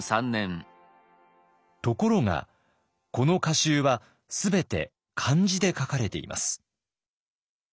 ところがこの歌集は全て漢字で書かれています。